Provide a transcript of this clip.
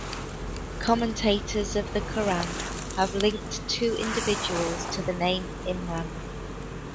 Commentators of the Quran have linked two individuals to the name Imran.